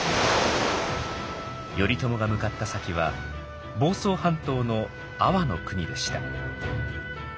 頼朝が向かった先は房総半島の安房国でした。